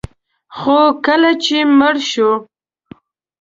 خو کله چې مړ شو